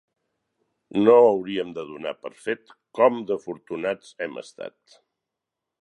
No hauríem de donar per fet com d'afortunats hem estat.